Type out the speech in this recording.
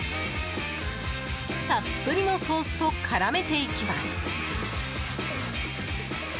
たっぷりのソースと絡めていきます。